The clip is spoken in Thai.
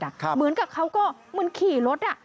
เหมือนกับเขาก็เหมือนขี่รถ